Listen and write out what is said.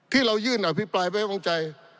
ที่เรายื่นอภิปรายไว้วางใจ